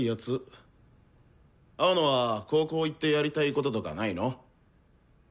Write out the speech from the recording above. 青野は高校行ってやりたいこととかないの？